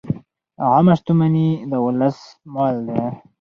عامه شتمني د ولس مال دی.